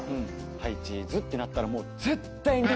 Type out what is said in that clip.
「はいチーズ」ってなったらもう絶対に。